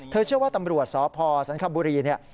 เธอเชื่อว่าตำรวจสพสันคบุรี